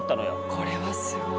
これはすごい。